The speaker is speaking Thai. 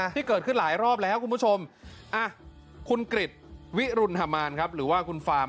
ที่เกิดขึ้นหลายรอบแล้วคุณผู้ชมคุณกริจวิรุณฮามานครับหรือว่าคุณฟาร์